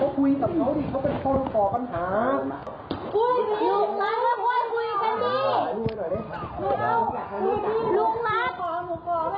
คุยกันดีก็ได้ไม่ต้องเคยอารมณ์ไม่ต้องเคยคำเล่า